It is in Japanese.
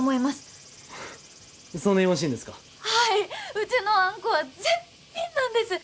うちのあんこは絶品なんです。